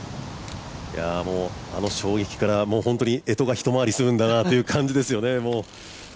あの衝撃から、本当にえとが一回りするんだなという感じですよね。